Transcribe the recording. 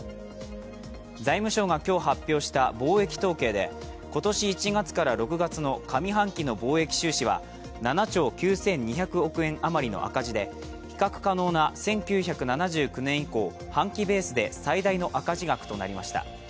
財務省が今日発表した貿易統計で、今年１月から６月の上半期の貿易収支は７兆９２００億円余りの赤字で比較可能な１９７９年以降、半期ベースで最大の赤字額となりました。